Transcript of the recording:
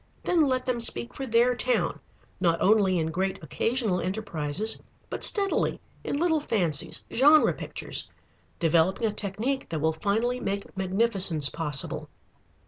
Then let them speak for their town, not only in great occasional enterprises, but steadily, in little fancies, genre pictures, developing a technique that will finally make magnificence possible.